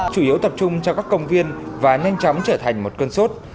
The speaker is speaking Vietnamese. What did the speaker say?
chủ yếu tập trung cho các công viên và nhanh chóng trở thành một cơn sốt